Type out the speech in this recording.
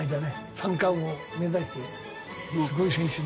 三冠王を目指してすごい選手になっちゃう。